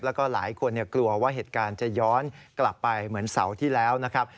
แล้วก็หลายคนกลัวว่าเหตุการณ์จะย้อนกลับไปเหมือนเสาร์ที่แล้วนะครับ